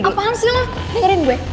apaan sih lo dengerin gue